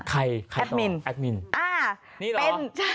ใครต่อแอดมินอ้าวเป็นนี่เหรอ